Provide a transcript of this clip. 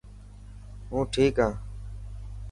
هون ٺيڪ هان.